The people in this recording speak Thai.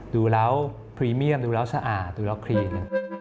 ดูแล้วพรีเมียมดูแล้วสะอาดดูล็อกครีน